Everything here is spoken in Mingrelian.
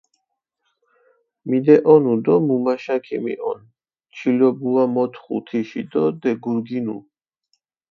მიდეჸონუ დო მუმაშა ქიმიჸონ, ჩილობუა მოთხუ თიში დო დეგურგინუ.